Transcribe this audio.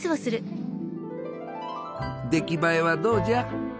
出来栄えはどうじゃ？